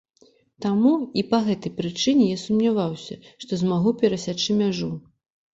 Таму і па гэтай прычыне я сумняваўся, што змагу перасячы мяжу.